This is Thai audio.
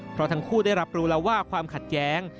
เพราะทั้งคู่ได้รับรู้แล้วว่าความขัดแย้ง